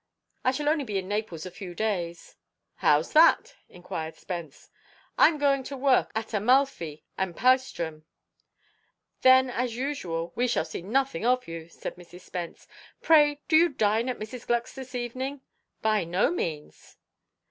I shall only be in Naples a few days." "How's that?" inquired Spence. "I'm going to work at Amalfi and Paestum." "Then, as usual, we shall see nothing of you," said Mrs. Spence. "Pray, do you dine at Mrs. Gluck's this evening?" "By no means."